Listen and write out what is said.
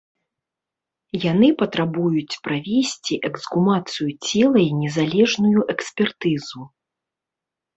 Яны патрабуюць правесці эксгумацыю цела і незалежную экспертызу.